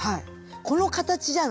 この形じゃない？